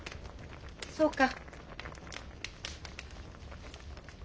そうか。